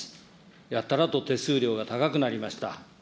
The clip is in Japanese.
やたらと手数料が高くなりました。